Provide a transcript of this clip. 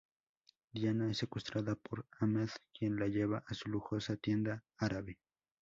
Diana es secuestrada por Ahmed quien la lleva a su lujosa tienda árabe.